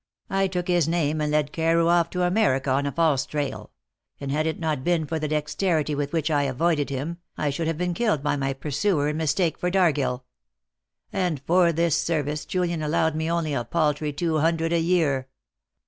I took his name, and led Carew off to America on a false trail; and had it not been for the dexterity with which I avoided him, I should have been killed by my pursuer in mistake for Dargill. And for this service Julian allowed me only a paltry two hundred a year.